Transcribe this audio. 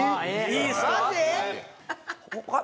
いいですか？